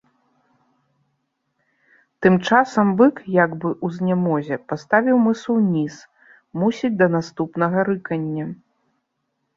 Тым часам бык як бы ў знямозе паставіў мысу ўніз, мусіць да наступнага рыкання.